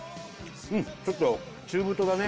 うんちょっと中太だね